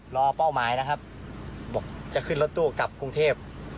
เป้าหมายนะครับบอกจะขึ้นรถตู้กลับกรุงเทพ